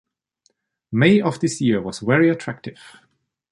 May of this year was very attractive